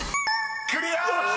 ［クリア！］